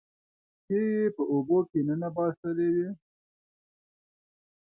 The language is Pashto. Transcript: پښې یې په اوبو کې ننباسلې وې